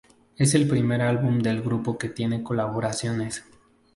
Es el primer álbum del grupo que tiene colaboraciones.